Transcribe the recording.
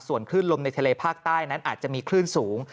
ส่วนคลื่นลมในทะเลภาคใต้นั้นอาจจะมีคลื่นสูง